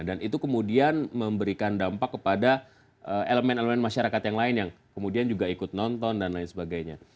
dan itu kemudian memberikan dampak kepada elemen elemen masyarakat yang lain yang kemudian juga ikut nonton dan lain sebagainya